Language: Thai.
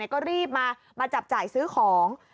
ก็รีบมาจับจ่ายซื้อของ